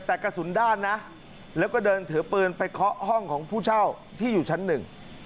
แต่กระสุนด้านนะแล้วก็เดินถือปืนไปเคาะห้องของผู้เช่าที่อยู่ชั้นหนึ่ง